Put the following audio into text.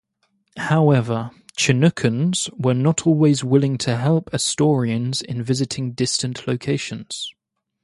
However, Chinookans were not always willing to help Astorians in visiting distant locations.